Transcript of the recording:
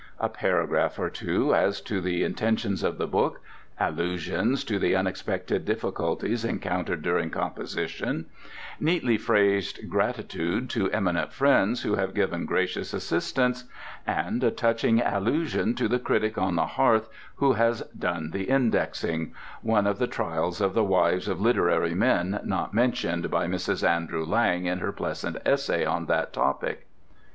A paragraph or two as to the intentions of the book; allusions to the unexpected difficulties encountered during composition; neatly phrased gratitude to eminent friends who have given gracious assistance; and a touching allusion to the Critic on the Hearth who has done the indexing—one of the trials of the wives of literary men not mentioned by Mrs. Andrew Lang in her pleasant essay on that topic.